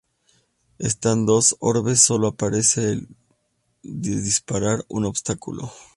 Estas dos orbes solo aparecen al disparar un obstáculo.